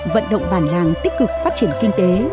vận động bàn hàng tích cực phát triển kinh tế